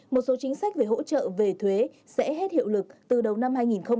một số chính sách về hỗ trợ về thuế sẽ hết hiệu lực từ đầu năm hai nghìn hai mươi